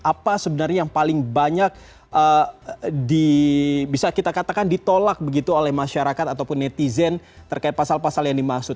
apa sebenarnya yang paling banyak bisa kita katakan ditolak begitu oleh masyarakat ataupun netizen terkait pasal pasal yang dimaksud